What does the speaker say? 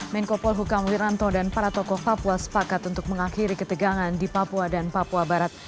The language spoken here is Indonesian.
menko polhukam wiranto dan para tokoh papua sepakat untuk mengakhiri ketegangan di papua dan papua barat